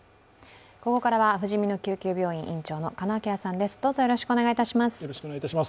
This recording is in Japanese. ここからは、ふじみの救急病院院長の鹿野晃さんです。